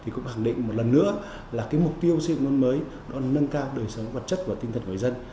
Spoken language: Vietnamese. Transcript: cũng hẳn định một lần nữa là mục tiêu xây dựng nông thôn mới là nâng cao đời sống vật chất và tinh thần người dân